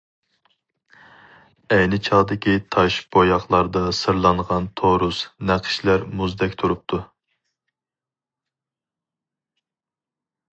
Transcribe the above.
ئەينى چاغدىكى تاش بوياقلاردا سىرلانغان تورۇس، نەقىشلەر مۇزدەك تۇرۇپتۇ.